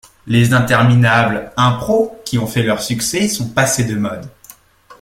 Les interminables impros qui ont fait leur succès sont passées de mode.